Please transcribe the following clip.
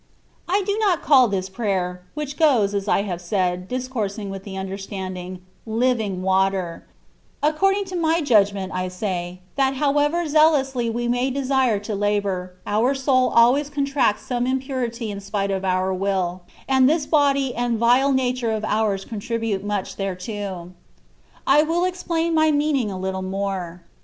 I do not call this prayer (which goes, as I have said, discoursing with the understand ing), ^^ living water;'' according to my judg ment I say, that however zealously we may desire to labour, our soul always contracts some im purity in spite of our will, and this body and vile nature of ours contribute much thereto. I will explain my meaning a little more.